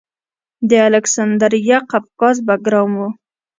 د الکسندریه قفقاز بګرام و